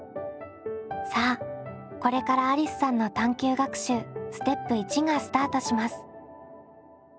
さあこれからありすさんの探究学習ステップ①がスタートします。